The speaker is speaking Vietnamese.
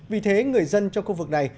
vì thế người dân trong khu vực này